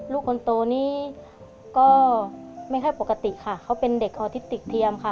ลูกคนโตนี้ก็ไม่ค่อยปกติค่ะเขาเป็นเด็กออทิติกเทียมค่ะ